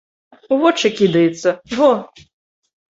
У вочы кідаецца, во!